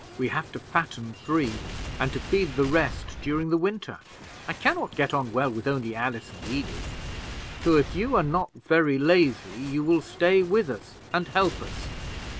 We have to fatten three, and to feed the rest during the winter. I can not get on well with only Alice and Edith; so if you are not very lazy, you will stay with us and help us."